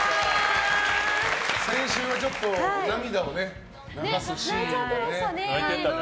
先週はちょっと涙を流すシーンもね。